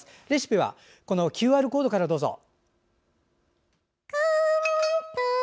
レシピはＱＲコードからどうぞ。